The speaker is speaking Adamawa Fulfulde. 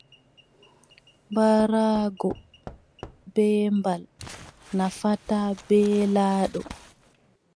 Ɓaraago beembal nafataa beelaaɗo.